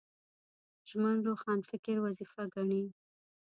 ژمن روښانفکر وظیفه ګڼي